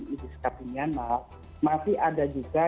di diskusi myanmar masih ada juga